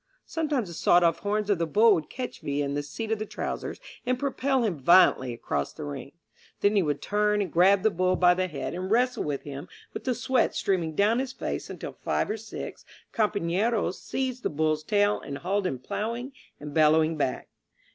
Sometimes the sawed off horns of the bull would catch Villa in the seat of the trousers and propel him violently across the ring; then he would turn and grab the bull by the head and wrestle with him with the sweat streaming down his face until five or six companeros seized the bull's tail and hauled him plowing and bellowing back.